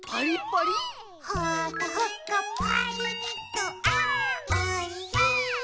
「ほかほかパリッとあーおいしい！」